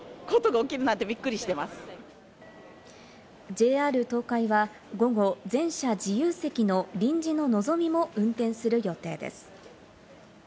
ＪＲ東海は午後、全車自由席の臨時ののぞみを運転する予定です。